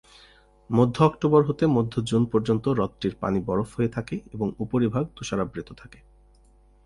মধ্য অক্টোবর হতে মধ্য জুন পর্যন্ত হ্রদটির পানি বরফ হয়ে থাকে এবং উপরিভাগ তুষারাবৃত থাকে।